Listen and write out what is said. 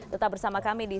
tetap bersama kami di